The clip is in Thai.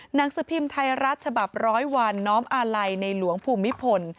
หนังสือพิมพ์ไทยรัฐฉบับร้อยวันน้อมอาลัยในหลวงภูมิพล